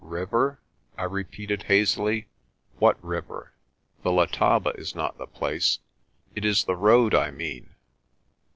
"River?" I repeated hazily. "What river? The Letaba is not the place. It is the road I mean."